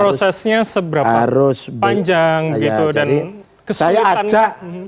prosesnya seberapa panjang gitu dan kesulitan